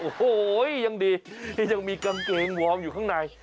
โอ้โหยังดีที่ยังมีกางเกงวอร์มอยู่ข้างใน